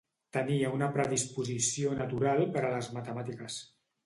Tenia una predisposició natural per a les matemàtiques.